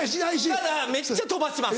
ただめっちゃ飛ばします。